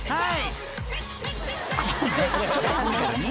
はい！